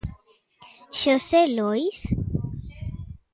¿Xosé Lois?